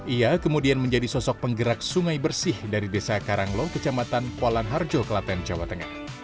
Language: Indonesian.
ia kemudian menjadi sosok penggerak sungai bersih dari desa karanglo kecamatan polan harjo kelaten jawa tengah